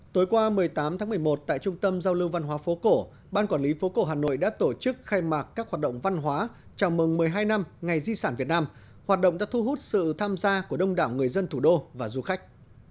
tối qua một mươi tám tháng một mươi một tại trung tâm giao lưu văn hóa phố cổ ban quản lý phố cổ hà nội đã tổ chức khai mạc các hoạt động văn hóa chào mừng một mươi hai năm ngày di sản việt nam hoạt động đã thu hút sự tham gia của đông đảo người dân thủ đô và du khách